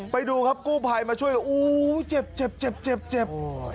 ไปดูครับกู้ภัยมาช่วยอู๋เจ็บเจ็บเจ็บเจ็บเจ็บ